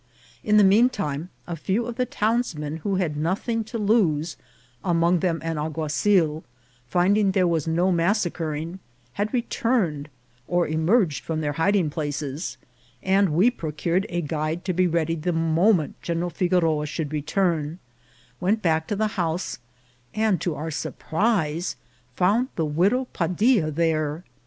In the mean time, a few of the townsmen who had nothing to lose, among them an alguazil, finding there was no massacring, had returned or emerged from their hi ding places, and we procured a guide to be ready the moment General Figoroa should return, went back to the house, and to' our surprise found the widow Padilla there.